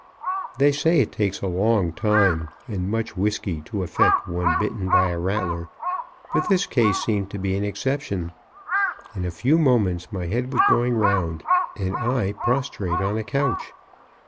They say it takes a long time and much whiskey to affect one bitten by a rattler, but this case seemed to be an exception; in a few moments, my head was going round, and I prostrate on a couch.